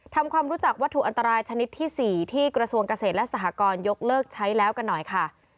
ทำความรู้จักวัตถุอันตรายชนิดที่๔ที่กระทรวงเกษตรและสหกรณ์ยกเลิกใช้แล้วกันหน่อยค่ะ